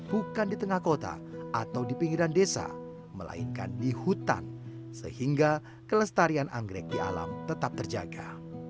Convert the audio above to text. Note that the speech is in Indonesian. bukan di tengah kota atau di pinggiran desa melainkan di hutan sehingga kelestarian anggrek di alam tetap terjaga